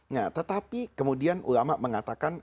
nah tetapi kemudian ulama mengatakan